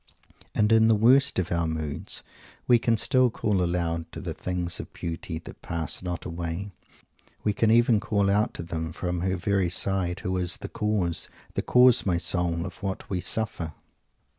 And in the worst of our moods we can still call aloud to the things of beauty that pass not away. We can even call out to them from her very side who is "the cause," "the cause, my soul," of what we suffer.